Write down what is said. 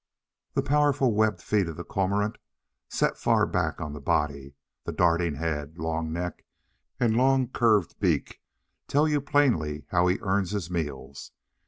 The powerful webbed feet of the Cormorant, set far back on the body, the darting head, long neck, and long curved beak, tell you plainly how he earns his meals.